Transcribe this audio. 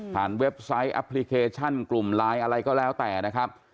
เว็บไซต์แอปพลิเคชันกลุ่มไลน์อะไรก็แล้วแต่นะครับ